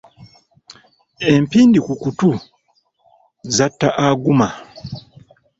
Empindi ku kutu zatta Aguma